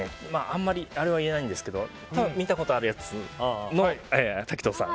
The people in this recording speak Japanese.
あんまり言えないんですけど多分見たことあるやつの滝藤さん。